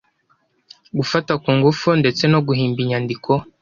gufata ku ngufu ndetse no guhimba inyandiko